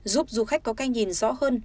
giúp du khách có cái nhìn rõ hơn